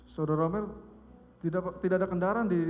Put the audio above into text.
saudara romel tidak ada kendaraan di